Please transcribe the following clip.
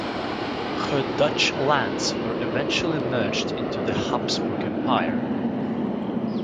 Her Dutch lands were eventually merged into the Habsburg Empire.